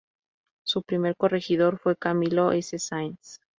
Su primer corregidor fue Camilo S. Sáenz.